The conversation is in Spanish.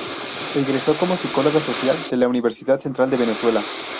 Egresó como psicóloga social de la Universidad Central de Venezuela.